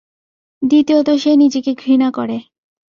দ্বিতীয়ত সে নিজেকে ঘৃণা করে।